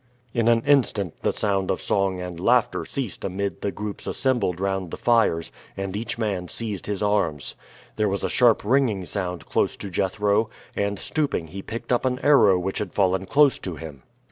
In an instant the sound of song and laughter ceased amid the groups assembled round the fires and each man seized his arms. There was a sharp ringing sound close to Jethro, and stooping he picked up an arrow which had fallen close to him.